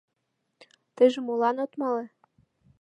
— Тыйже молан от мале?